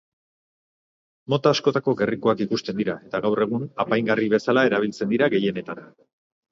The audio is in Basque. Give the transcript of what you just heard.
Mota askotako gerrikoak ikusten dira eta gaur egun apaingarri bezala erabiltzen dira gehienetan.